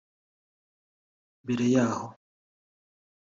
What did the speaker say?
Mbere yaho